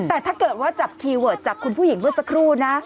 แต่ถ้าเกิดว่าจับคีย์เวิร์ดจากคุณผู้หญิงเมื่อสักครู่นะ